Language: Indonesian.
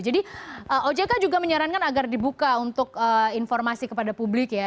jadi ojk juga menyarankan agar dibuka untuk informasi kepada publik ya